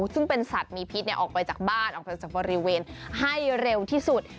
ซึ่งเป็นสัตว์มีพิษออกไปจากบ้านออกไปจากบริเวณให้เร็วที่สุด